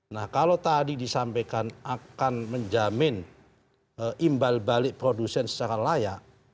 nah kalau tadi disampaikan akan menjamin imbal balik produsen secara layak